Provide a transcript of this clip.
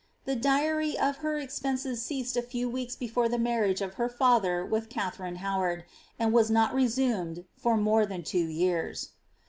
Tr.e diary of her expenses ceased a few weeks before the marriage of her father with Katharine Howard, and was not resumed for more than tvo vears.